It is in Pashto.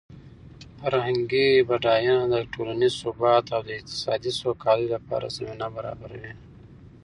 فرهنګي بډاینه د ټولنیز ثبات او د اقتصادي سوکالۍ لپاره زمینه برابروي.